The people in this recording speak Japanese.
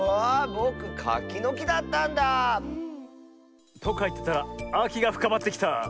ぼくカキのきだったんだあ。とかいってたらあきがふかまってきた。